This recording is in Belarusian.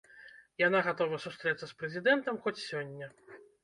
Яна гатова сустрэцца з прэзідэнтам хоць сёння.